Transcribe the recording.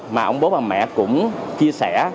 mà ông bố bà mẹ cũng chia sẻ